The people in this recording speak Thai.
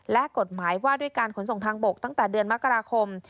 และกฎหมายว่าด้วยการขนส่งทางบกตั้งแต่เดือนมกราคม